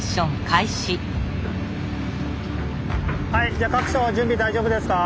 じゃあ各所準備大丈夫ですか。